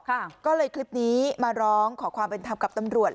ก็เลยคลิปนี้มาร้องขอความเป็นธรรมกับตำรวจ